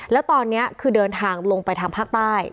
แล้วตอนนี้คือเดินทางลงไปทางภาคใต้